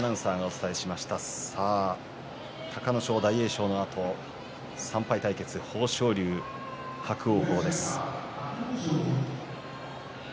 隆の勝、大栄翔のあと３敗対決、豊昇龍、伯桜鵬です。